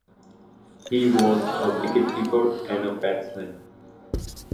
He was a wicket-keeper and batsmen.